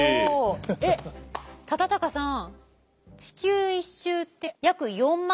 えっ忠敬さん